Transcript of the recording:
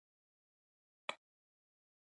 او ورسره د ايم فل مقالې هم شوې دي